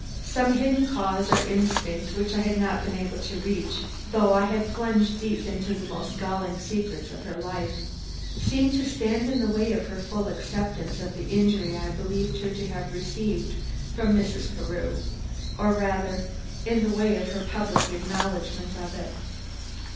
Some hidden cause or instinct which I had not been able to reach, though I had plunged deep into the most galling secrets of her life, seemed to stand in the way of her full acceptance of the injury I believed her to have received from Mrs. Carew; or rather, in the way of her public acknowledgment of it.